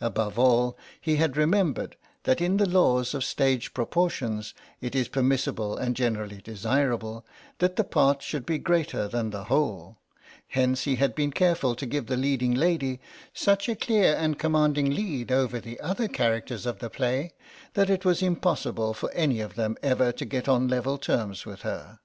Above all he had remembered that in the laws of stage proportions it is permissible and generally desirable that the part should be greater than the whole; hence he had been careful to give the leading lady such a clear and commanding lead over the other characters of the play that it was impossible for any of them ever to get on level terms with her.